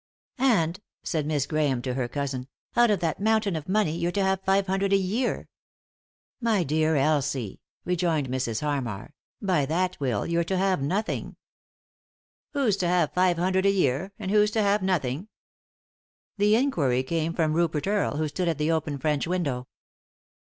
" And," said Miss Grahame to her cousin, " out of that mountain of money you're to have five hundred a year 1 " 48 a,,.! oy Google THE INTERRUPTED KISS " My dear Elsie," rejoined Mrs. Harmar, " by that will you're to have nothing." "Who's to have five hundred a year ? And who's to have nothing ?" The inquiry came from Rupert Earle, who stood at the open French window.